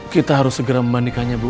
kita harus segera membandingkannya bu